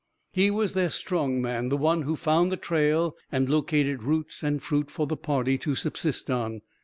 He was their strong man, the one who found the trail and located roots and fruit for the party to subsist on.